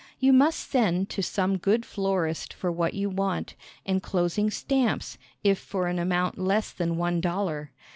You must send to some good florist for what you want, enclosing stamps, if for an amount less than one dollar.